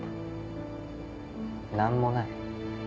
何もない。